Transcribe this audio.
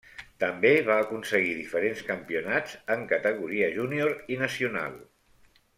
També va aconseguir diferents campionats en categoria júnior i nacional.